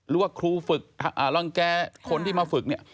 รู้ว่าครูฝึกอ่าลองแกลุ่นที่มาฝึกเนี่ย